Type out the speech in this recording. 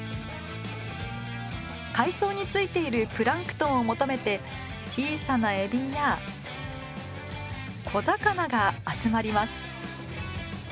海藻についているプランクトンを求めて小さなエビや小魚が集まります。